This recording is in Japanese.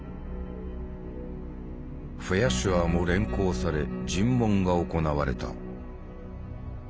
フェアシュアーも連行され尋問が行われた。